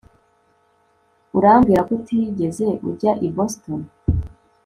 urambwira ko utigeze ujya i boston